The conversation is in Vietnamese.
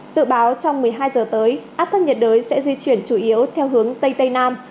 dự báo trong một mươi hai giờ tới áp thấp nhiệt đới sẽ di chuyển chủ yếu theo hướng tây tây nam